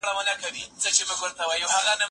مور ماشوم ته د نظم احساس ورکوي.